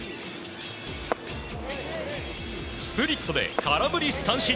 スプリットで空振り三振。